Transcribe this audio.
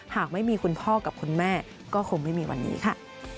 หากไม่มีคุณพ่อกับคุณแม่ก็คงไม่มีวันนี้ค่ะ